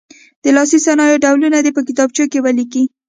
د لاسي صنایعو ډولونه دې په کتابچو کې ولیکي.